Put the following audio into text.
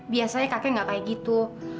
biasanya kakek gak kayak gitu